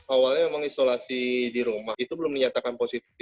awalnya memang isolasi di rumah itu belum dinyatakan positif